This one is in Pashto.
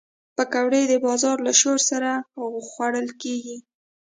پکورې د بازار له شور سره خوړل کېږي